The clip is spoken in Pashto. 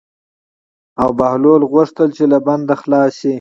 او بهلول غوښتل چې له بنده خلاص شي.